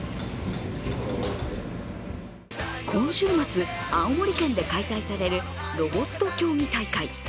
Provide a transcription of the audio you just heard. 今週末、青森県で開催されるロボット競技大会。